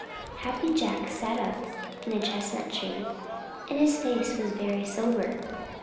_ Happy Jack sat up in a chestnut tree, and his face was very sober.